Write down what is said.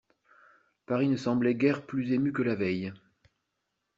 Paris ne semblait guère plus ému que la veille.